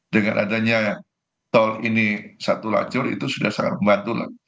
dengan adanya tol ini satu lacur itu sudah sangat membantu lah